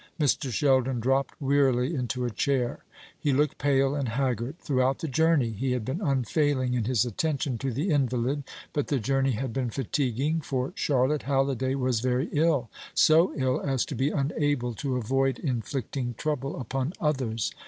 Mr. Sheldon dropped wearily into a chair. He looked pale and haggard. Throughout the journey he had been unfailing in his attention to the invalid; but the journey had been fatiguing; for Charlotte Halliday was very ill so ill as to be unable to avoid inflicting trouble upon others.